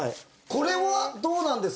これはどうなんですか？